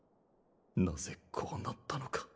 なぜこうなったのか。